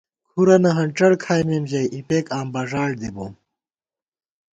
کُھرَنہ ہنڄڑ کھائیمېم ژَئی، اِپېک آں بݫاڑ دِی بوم